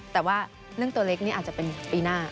แต่ว่าเรื่องตัวเล็กนี่อาจจะเป็นปีหน้า